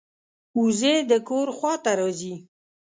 وزې د کور خوا ته راځي